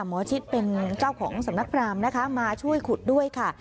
หมอชิดเป็นเจ้าของสำนักพรามนะคะมาช่วยขุดด้วยค่ะ